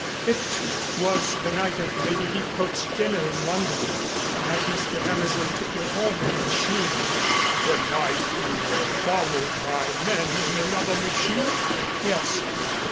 "It was the night of Lady Heathcote's dinner in London the night Mr. Hammersley took me home in the machine." "The night you were followed by men in another machine?" "Yes."